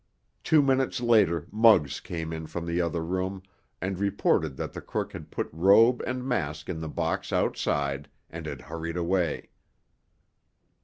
Two minutes later Muggs came in from the other room and reported that the crook had put robe and mask in the box outside, and had hurried away.